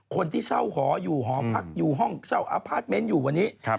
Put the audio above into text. คนที่เช่าหออยู่หอพักอยู่ห้องเช่าอพาร์ทเมนต์อยู่วันนี้